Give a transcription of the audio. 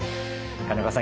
金岡さん